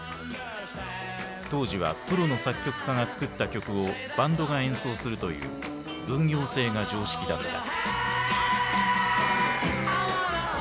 当時はプロの作曲家が作った曲をバンドが演奏するという分業制が常識だった。